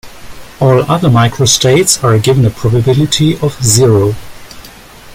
All other microstates are given a probability of zero.